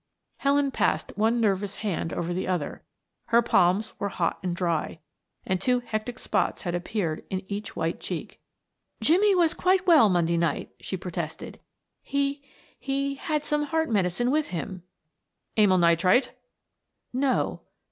Helen passed one nervous hand over the other; her palms were hot and dry, and two hectic spots had appeared in each white cheek. "Jimmie was quite well Monday night," she protested. "He he had some heart medicine with him." "Amyl nitrite?" "No."